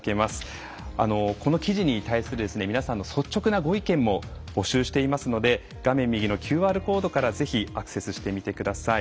この記事に対する皆さんの率直なご意見も募集していますので画面右のＱＲコードからぜひアクセスしてみてください。